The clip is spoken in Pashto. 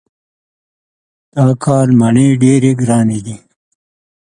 دا کال مڼې ډېرې ګرانې دي.